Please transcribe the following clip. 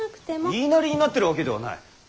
言いなりになってるわけではない。